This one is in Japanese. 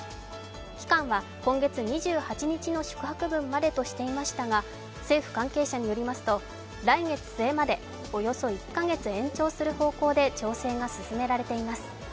期間は今月２８日の宿泊分までとしていましたが、政府関係者によりますと、来月末までおよそ１カ月延長する方向で調整が進められています。